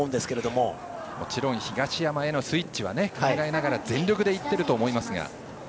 もちろん東山へのスイッチは考えながら全力でいっていると思いますが。